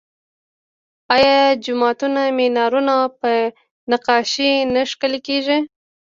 آیا د جوماتونو مینارونه په نقاشۍ نه ښکلي کیږي؟